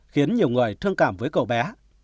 khiến nhiều người thương cảm với cậu bé